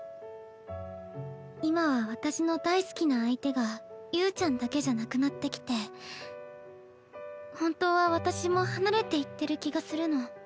今は私の大好きな相手が侑ちゃんだけじゃなくなってきて本当は私も離れていってる気がするの。